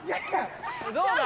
どうだ？